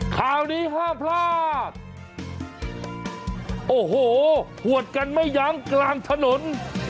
ข่าวนี้ห้ามพลาดโอ้โหหวดกันไม่ยั้งกลางถนน